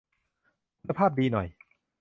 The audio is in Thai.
คุณภาพดีหน่อย